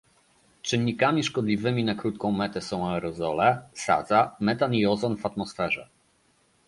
Czynnikami szkodliwymi na krótką metę są aerozole, sadza, metan i ozon w atmosferze